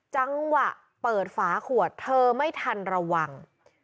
จังหวะเปิดฝาขวดเธอไม่ทันระวัง